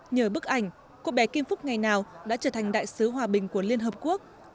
nhờ bức ảnh cô bé kim phúc ngày nào đã trở thành đại sứ hòa bình của liên hợp quốc